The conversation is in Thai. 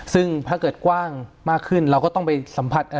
ซึ่งถ้าเกิดกว้างมากขึ้นเราก็ต้องไปสัมผัส